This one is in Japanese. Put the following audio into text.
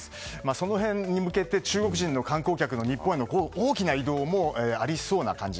その辺に向けて中国人の観光客の日本への大きな移動もありそうな感じ。